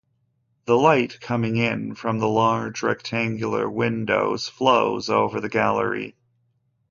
The light coming in from the large rectangular windows, flows over the gallery.